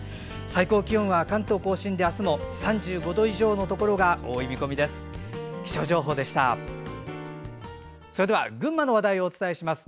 最高気温は関東・甲信であすも３５度以上のところが多い見込みです。